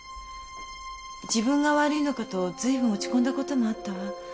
自分が悪いのかとずいぶん落ち込んだこともあったわ。